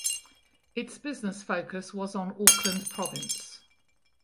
Its business focus was on Auckland Province.